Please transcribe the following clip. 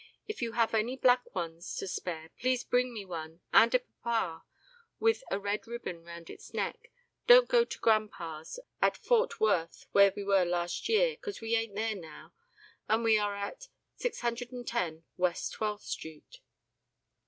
if you have any black ones to spare please bring me one and a papa with a red ribbon around its neck. dont go to grandpas at Fort wurth where we were last year cause we aint there now we are at 610 west 12 street._ "ELINOR TEMPLE."